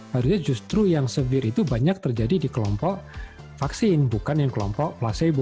harusnya justru yang severe itu banyak terjadi di kelompok vaksin bukan yang kelompok placebo